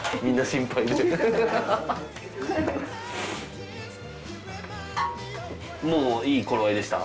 みんな心配で。